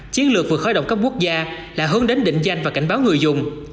chiến lược vừa khởi động các quốc gia là hơn đến định danh và cảnh báo người dùng